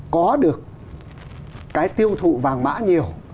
có được cái tiêu thụ vàng mã nhiều